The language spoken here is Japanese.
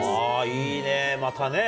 いいねぇ、またね。